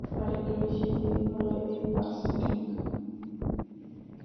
আরেকটা বিশেষ দিক হলো এর কাস্টিং।